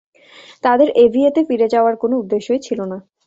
তাদের এভিয়েতে ফিরে যাওয়ার কোনো উদ্দেশ্যই ছিল না।